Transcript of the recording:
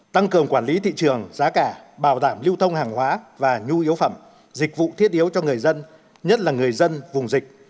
tăng cường quản lý thị trường giá cả bảo đảm lưu thông hàng hóa và nhu yếu phẩm dịch vụ thiết yếu cho người dân nhất là người dân vùng dịch